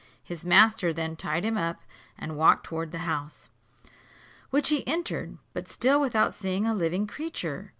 His master then tied him up, and walked towards the house, which he entered, but still without seeing a living creature.